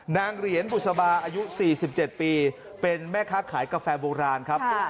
เหรียญบุษบาอายุ๔๗ปีเป็นแม่ค้าขายกาแฟโบราณครับ